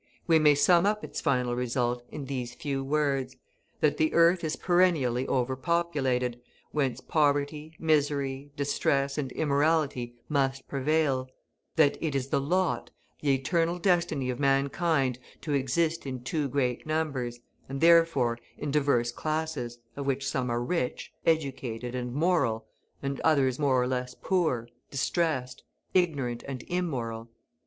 We may sum up its final result in these few words, that the earth is perennially over populated, whence poverty, misery, distress, and immorality must prevail; that it is the lot, the eternal destiny of mankind, to exist in too great numbers, and therefore in diverse classes, of which some are rich, educated, and moral, and others more or less poor, distressed, ignorant, and immoral.